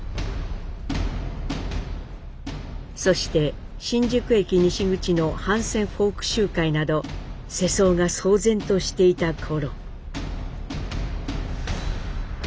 そして新宿駅西口の反戦フォーク集会など世相が騒然としていた頃。